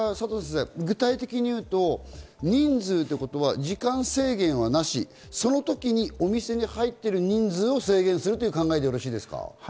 具体的に言うと人数は時間制限はなし、そのときにお店に入っている人数を制限するという考えでよろしいですか？